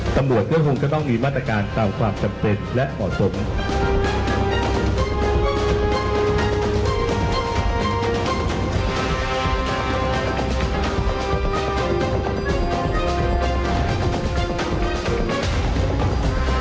ตำรวจก็คงจะต้องมีมาตรการตามความจำเป็นและเหมาะสม